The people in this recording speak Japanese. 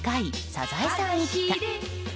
サザエさん一家。